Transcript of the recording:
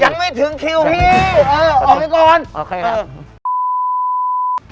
หาใครอีก